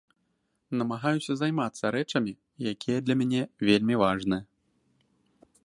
Намагаюся займацца рэчамі, якія для мяне вельмі важныя.